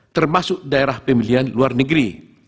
termasuk daerah pemilihan luar negeri